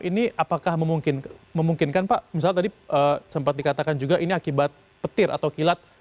ini apakah memungkinkan pak misalnya tadi sempat dikatakan juga ini akibat petir atau kilat